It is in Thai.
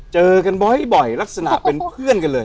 เจอกันบ่อยลักษณะเป็นเพื่อนกันเลย